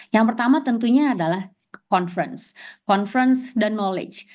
yang pertama tentunya adalah conference conference dan knowledge